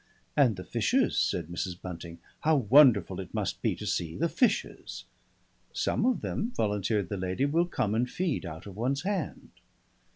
"And the fishes," said Mrs. Bunting. "How wonderful it must be to see the fishes!" "Some of them," volunteered the Sea Lady, "will come and feed out of one's hand."